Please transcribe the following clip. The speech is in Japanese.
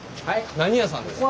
何屋さんですか？